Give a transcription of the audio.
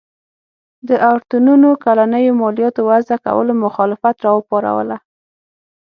د اورتونونو کلنیو مالیاتو وضعه کولو مخالفت راوپاروله.